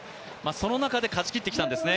その中で勝ちきってきたんですね。